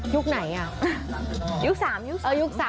ยุคไหนอ่ะ